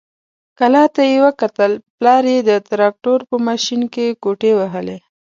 کلا ته يې وکتل، پلار يې د تراکتور په ماشين کې ګوتې وهلې.